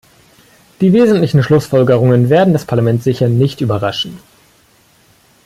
Die wesentlichen Schlussfolgerungen werden das Parlament sicher nicht überraschen.